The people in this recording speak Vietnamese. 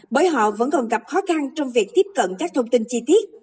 bởi họ vẫn còn gặp khó khăn trong việc tiếp cận các thông tin chi tiết